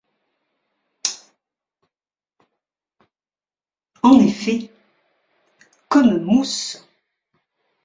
En effet… comme mousse.